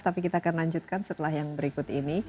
tapi kita akan lanjutkan setelah yang berikut ini